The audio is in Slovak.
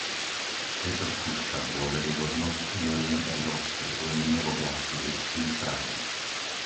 Je to skúška dôveryhodnosti noriem Európskej únie v oblasti ľudských práv.